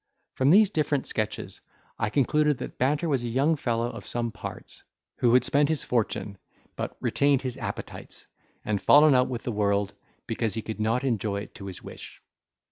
From these different sketches, I concluded that Banter was a young fellow of some parts, who had spent his fortune, but retained his appetites, and fallen out with the world, because he could not enjoy it to his wish.